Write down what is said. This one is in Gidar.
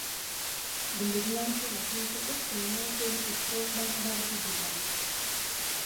Kulu nawute akenki def tät na epəŋle suk barbar kidasaku.